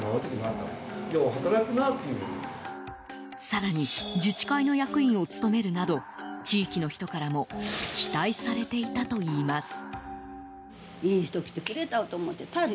更に自治会の役員を務めるなど地域の人からも期待されていたといいます。